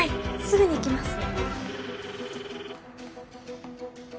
すぐに行きます。